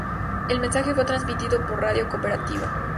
El mensaje fue transmitido por Radio Cooperativa.